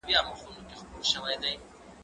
زه مخکي مېوې خوړلې وه!